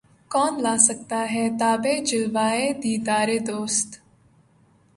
کون لا سکتا ہے تابِ جلوۂ دیدارِ دوست